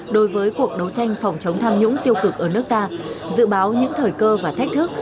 đối với cuộc đấu tranh phòng chống tham nhũng tiêu cực ở nước ta dự báo những thời cơ và thách thức